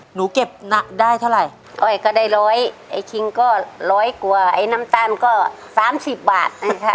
หนูเก็บน่ะได้เท่าไหร่อ้อยก็ได้ร้อยไอ้คิงก็ร้อยกว่าไอ้น้ำตาลก็สามสิบบาทนะคะ